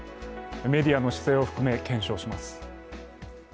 メディアの姿勢を含め検証します。